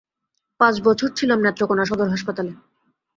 পাঁচ বছর ছিলাম নেত্রকোণা সদর হাসপাতালে।